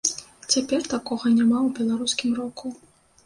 Цяпер такога няма ў беларускім року.